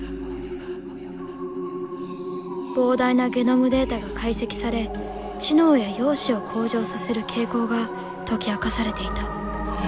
膨大なゲノムデータが解析され知能や容姿を向上させる傾向が解き明かされていた。